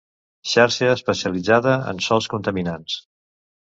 Xarxa especialitzada en sòls contaminats.